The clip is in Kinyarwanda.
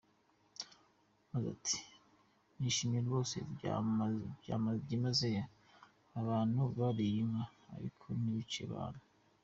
Yagize ati : “Nshimiye rwose byimazeyo abo bantu bariye inka, ariko ntibice abantu.